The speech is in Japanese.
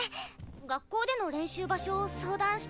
学校での練習場所を相談したいんだ。